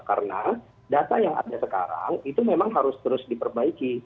karena data yang ada sekarang itu memang harus terus diperbaiki